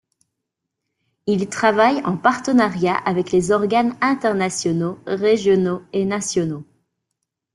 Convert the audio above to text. Il travaille en partenariat avec les organes internationaux, régionaux et nationaux.